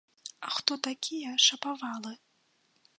А хто такія шапавалы?